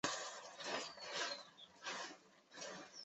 现时为香港篮球联赛乙组参赛球队。